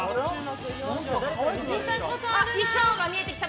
衣装が見えてきた。